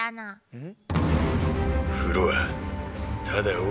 うん。